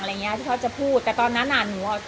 อะไรอย่างนี้ที่เขาจะพูดแต่ตอนนั้นอ่ะ